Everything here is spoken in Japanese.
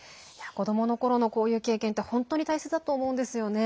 子どものころのこういう経験って本当に大切だと思うんですね。